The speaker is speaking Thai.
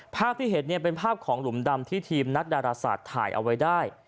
ภาพที่เห็นเป็นภาพของหลุมดำที่ทีมนักดาราศาสตร์ถ่ายเอาไว้ได้